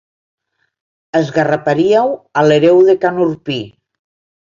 Esgarraparíeu a l'hereu de can Urpí.